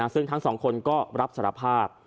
ซึ่งทั้งสองคนก็รับสารภาพ